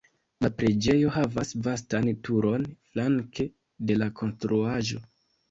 La preĝejo havas vastan turon flanke de la konstruaĵo.